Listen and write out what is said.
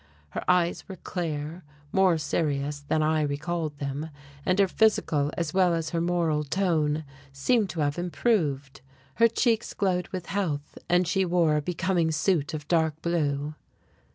Her eyes were clear, more serious than I recalled them, and her physical as well as her moral tone seemed to have improved. Her cheeks glowed with health, and she wore a becoming suit of dark blue.